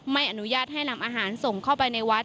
ไม่อนุญาตให้นำอาหารส่งเข้าไปในวัด